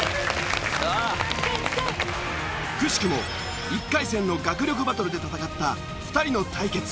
くしくも１回戦の学力バトルで戦った２人の対決。